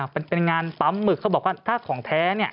เป็นงานปั๊มหมึกเขาบอกว่าถ้าของแท้